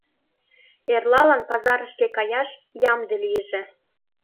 Эрлалан пазарышке каяш ямде лийже...